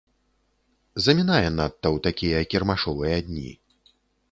Замінае надта ў такія кірмашовыя дні.